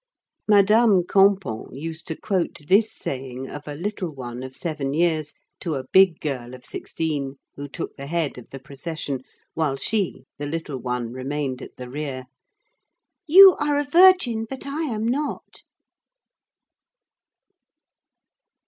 Madame Campan used to quote this saying of a "little one" of seven years, to a "big girl" of sixteen, who took the head of the procession, while she, the little one, remained at the rear, "You are a virgin, but I am not."